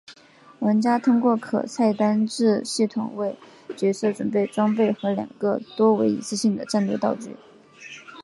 玩家通过可菜单制系统为角色准备装备和两个多为一次性的战斗道具。